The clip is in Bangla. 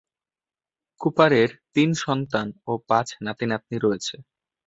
কুপারের তিন সন্তান এবং পাঁচ নাতি-নাতনি রয়েছে।